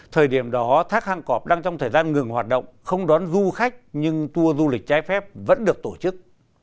thời điểm đó thác hàng cọp đang trong thời gian ngừng hoạt động không đón du khách nhưng tour du lịch trái phép vẫn được tổ chức